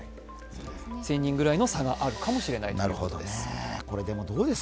１０００人くらいの差があるかもしれないということです。